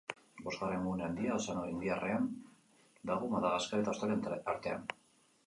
Bosgarren gune handia Ozeano Indiarrean dago, Madagaskar eta Australia artean.